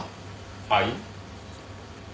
はい？